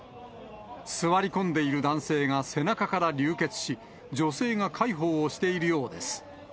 座り込んでいる男性が背中から流血し、女性が介抱をしているようです。